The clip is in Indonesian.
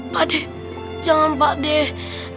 pak dea jangan pak dea